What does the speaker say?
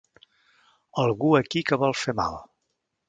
Algú aquí que vol fer mal!